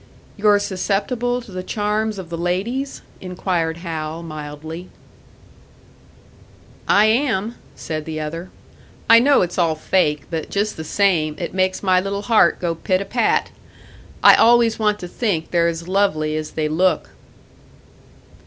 "You're susceptible to the charms of the ladies?" inquired Hal, mildly. "I am," said the other. "I know it's all fake, but just the same, it makes my little heart go pit a pat. I always want to think they're as lovely as they look."